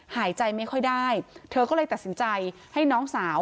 หายใจไม่ค่อยได้เธอก็เลยตัดสินใจให้น้องสาว